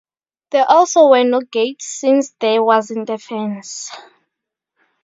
There also were no gates, since there wasn't a fence.